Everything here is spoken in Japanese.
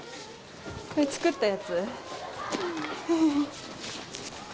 これ作ったやつ？